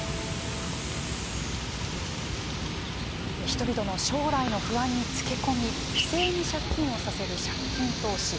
人々の将来の不安につけ込み不正に借金をさせる、借金投資。